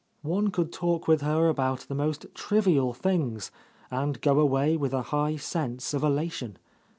One could talk with her about the most trivial things, and go away with a high sense of elation.